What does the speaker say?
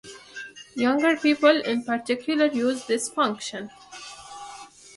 Younger people in particular use this function.